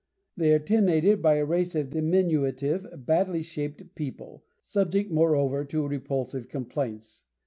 They are tenanted by a race of diminutive, badly shaped people, subject moreover to repulsive complaints.